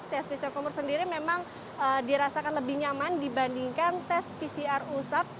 tes pcr kumur sendiri memang dirasakan lebih nyaman dibandingkan tes pcr usap